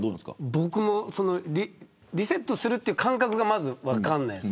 僕もリセットする感覚がまず分からないです。